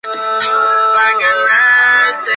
La Fleur blanche incluía una lujosa cama tallada de caoba.